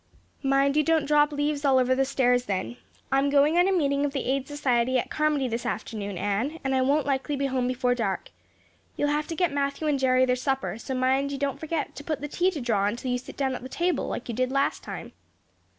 "Mind you don't drop leaves all over the stairs then. I'm going on a meeting of the Aid Society at Carmody this afternoon, Anne, and I won't likely be home before dark. You'll have to get Matthew and Jerry their supper, so mind you don't forget to put the tea to draw until you sit down at the table as you did last time."